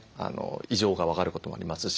異常が分かることがありますし。